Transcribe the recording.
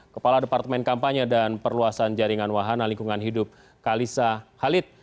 kepala departemen kampanye dan perluasan jaringan wahana lingkungan hidup kalisa halid